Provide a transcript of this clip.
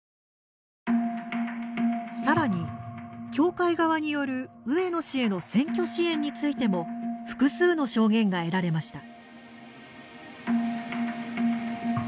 さらに、教会側による上野氏への選挙支援についても複数の証言が得られました。